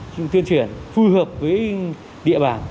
chuyên truyền phù hợp với địa bàn